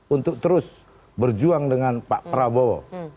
untuk terus berjuang dengan pak prabowo